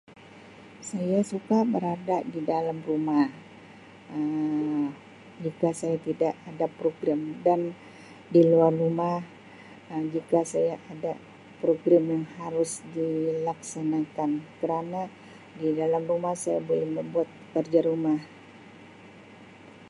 Saya suka berada didalam rumah Um jika saya tidak ada program dan diluar rumah jika saya ada program yang harus dilaksanakan kerana didalam rumah saya boleh membuat kerja rumah.